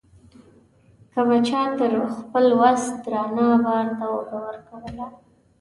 که به چا تر خپل وس درانه بار ته اوږه ورکوله.